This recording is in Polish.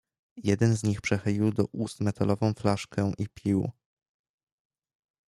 "Jeden z nich przechylił do ust metalową flaszkę i pił."